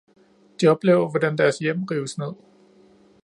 De oplever, hvordan deres hjem rives ned.